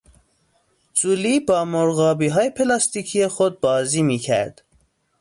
جولی با مرغابیهای پلاستیکی خود بازی میکرد.